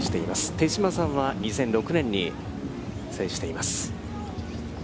手嶋さんは２００６年に制しています。